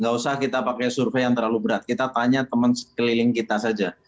gak usah kita pakai survei yang terlalu berat kita tanya teman sekeliling kita saja